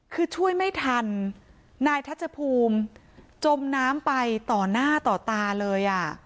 คือช่วยไม่ทันนายทัชภูมิจมน้ำไปต่อหน้าต่อตาเลยอ่ะ